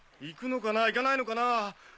行くのかな行かないのかなぁ